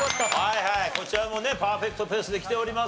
こちらもねパーフェクトペースできております。